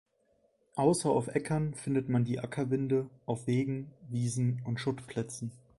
Außer auf Äckern findet man die Acker-Winde auf Wegen, Wiesen und Schuttplätzen.